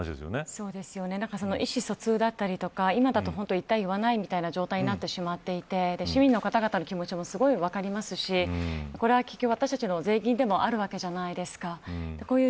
その意思疎通だとか今だと、言った、言わないという状態になってしまっていて市民の方々の気持ちもすごい分かりますしこれは私たちの税金でもあるわけじゃないですか。